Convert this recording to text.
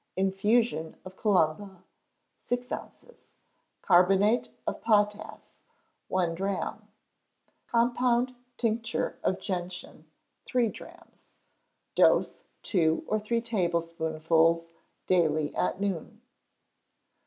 Infusion of calumba, six ounces; carbonate of potass, one drachm. Compound tincture of gentian, three drachms. Dose, two or three tablespoonfuls daily at noon.